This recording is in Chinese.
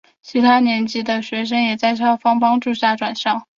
其他年级的学生也在校方帮助下转校。